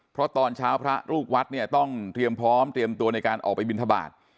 เพราะตอนเช้าพระลูกวัดเนี่ยต้องเตรียมพร้อมเตรียมตัวในการออกไปบินทบาท